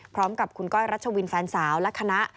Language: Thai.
พร้อมกับคุณก้อยรัชวินแฟนสาวและคณะ